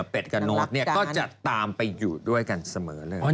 กับโน้ตก็จะตามไปอยู่ด้วยกันเสมอเลย